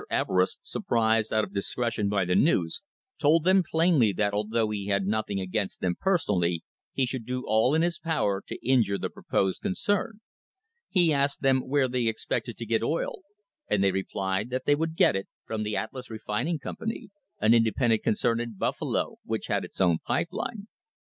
Everest, surprised out of discretion by the news, told them plainly that although he had nothing against them personally, he should do all in his power to injure the proposed concern. He asked them where they ex pected to get oil, and they replied that they would get it from the Atlas Refining Company, an independent concern in Buffalo, which had its own pipe line.